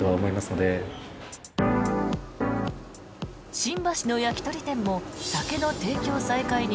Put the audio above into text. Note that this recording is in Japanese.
新橋の焼き鳥店も酒の提供再開に